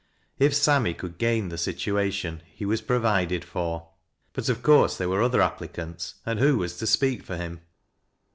If Sammy could gain the situation, he was pro vided for. But of course there were other applicants, and who was to speak for him?